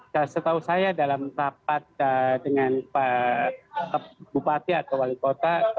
setahu saya dalam rapat dengan pak bupati atau wali kota